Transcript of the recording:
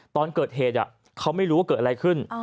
ตอนเกิดเหตุเขาไม่รู้ว่าเกิดอะไรขึ้น